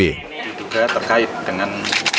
ini juga terkait dengan